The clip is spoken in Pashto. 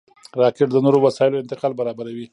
راکټ د نورو وسایلو انتقال برابروي